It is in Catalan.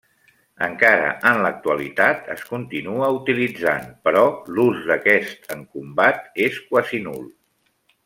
Encara en l'actualitat es continua utilitzant, però l'ús d'aquest en combat és quasi nul.